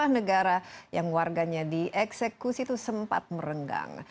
negara yang warganya dieksekusi itu sempat merenggang